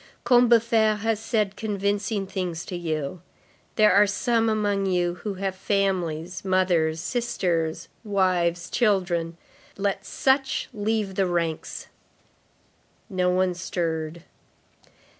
Combeferre has said convincing things to you. There are some among you who have families, mothers, sisters, wives, children. Let such leave the ranks." No one stirred.